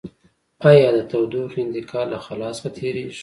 آیا د تودوخې انتقال له خلاء څخه تیریږي؟